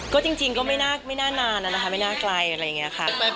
ก็จริงก็ไม่น่านานแล้วนะคะไม่น่าไกลอะไรอย่างนี้ค่ะ